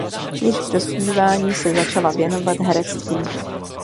Již v dospívání se začala věnovat herectví.